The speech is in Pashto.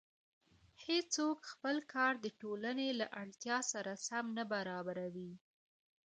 هېڅوک خپل کار د ټولنې له اړتیا سره سم نه برابروي